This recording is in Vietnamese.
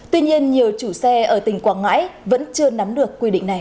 tuy nhiên nhiều chủ xe ở tỉnh quảng ngãi vẫn chưa nắm được quy định này